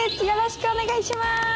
よろしくお願いします！